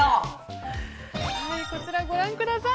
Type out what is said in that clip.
こちらご覧ください。